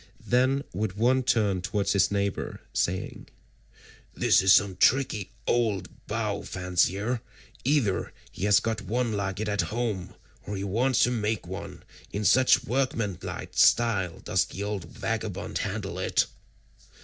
Then would one turn towards his neighbour saying, "This is some tricky old bow fancier; either he has got one like it at home, or he wants to make one, in such workmanlike style does the old vagabond handle it."